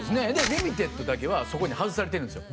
リミテッドだけはそこに外されてるんですよ